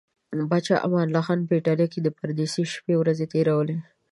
پاچا امان الله خان په ایټالیا کې د پردیسۍ شپې ورځې تیرولې.